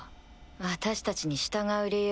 私たちに従う理由なんか。